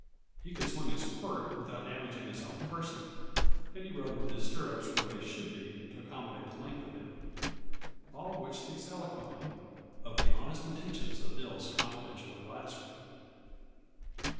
He could swing his quirt without damaging his own person, and he rode with his stirrups where they should be to accommodate the length of him all of which speaks eloquently of the honest intentions of Dill's confidential adviser.